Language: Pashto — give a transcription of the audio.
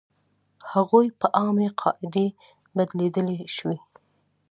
هغوی په عامې قاعدې بدلېدلی شوې.